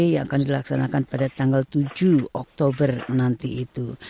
yang akan dilaksanakan pada tanggal tujuh oktober nanti itu